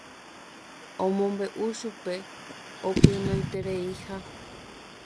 omombe'u chupe opynoitereiha